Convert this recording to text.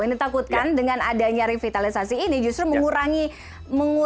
ini takutkan dengan adanya revitalisasi ini justru mengurangi